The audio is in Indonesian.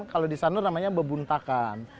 kalau di sanur namanya bebuntakan